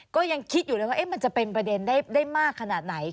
ก็ยังคิดอยู่เลยว่ามันจะเป็นประเด็นได้มากขนาดไหน